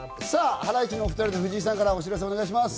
ハライチのお２人と藤井さんからお知らせ、お願いします。